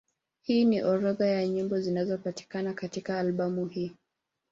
Hii ni orodha ya nyimbo zinazopatikana katika albamu hii.